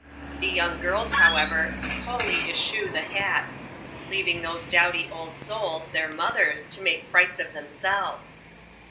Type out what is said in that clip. Tlie young girls, however, wholly eschew the hata ; leaving those doudy old souls, their mothers, to make frights of themselves.